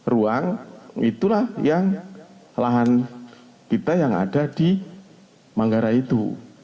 ruang itulah yang lahan kita yang ada di manggarai itu